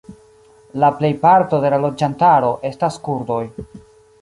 La plejparto de la loĝantaro estas kurdoj.